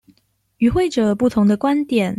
與會者不同的觀點